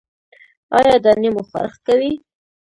ایا دانې مو خارښ کوي؟